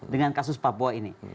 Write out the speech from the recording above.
dengan kasus papua ini